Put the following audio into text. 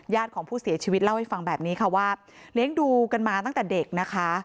ของผู้เสียชีวิตเล่าให้ฟังแบบนี้ค่ะว่าเลี้ยงดูกันมาตั้งแต่เด็กนะคะ